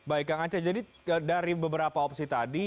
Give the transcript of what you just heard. baik kang aceh jadi dari beberapa opsi tadi